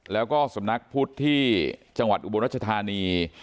แล้วก็สำนักพุทธที่จังหวัดอุบลรัชธานี